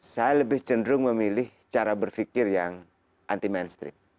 saya lebih cenderung memilih cara berpikir yang anti mainstream